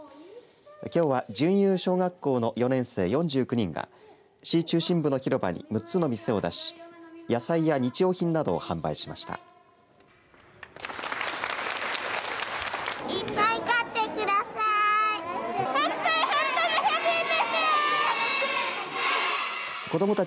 きょうは循誘小学校の４年生４９人が市中心部の広場に６つの店を出し野菜や日用品などを販売しました。